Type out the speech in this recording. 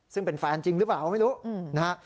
ซึ่งเป็นแฟนจริงหรือเปล่าไม่รู้นะฮะ